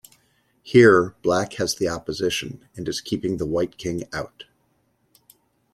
Here, Black has the opposition, and is keeping the white king out.